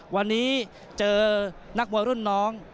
วันนี้เจอนักมวยรุ่นน้อง